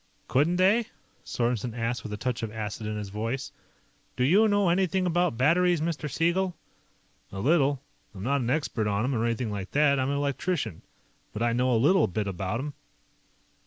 "Couldn't they?" Sorensen asked with a touch of acid in his voice. "Do you know anything about batteries, Mr. Siegel?" "A little. I'm not an expert on 'em, or anything like that. I'm an electrician. But I know a little bit about 'em."